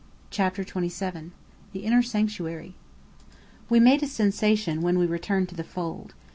CHAPTER XXVII THE INNER SANCTUARY We made a sensation when we returned to the fold.